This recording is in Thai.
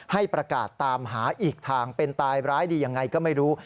ให้ประกาศตามหาอีกทางเป็นตายร้ายดียังไงก็ไม่รู้